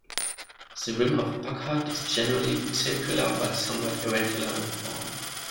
The rim of Burckhardt is generally circular but somewhat irregular in form.